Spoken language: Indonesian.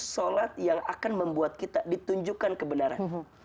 sholat yang akan membuat kita ditunjukkan kebenaran